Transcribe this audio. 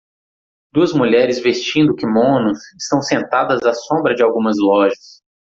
Duas mulheres vestindo quimonos estão sentadas à sombra de algumas lojas.